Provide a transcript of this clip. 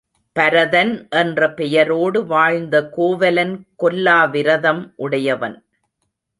பரதன் என்ற பெயரோடு வாழ்ந்த கோவலன் கொல்லா விரதம் உடையவன்.